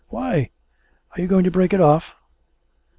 Why? Are you going to break it off?'